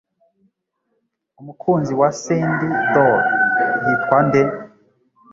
Umukunzi wa Sindy doll yitwa nde?